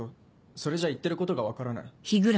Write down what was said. それじゃ言ってることが分からない。